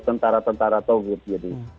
tentara tentara tawud gitu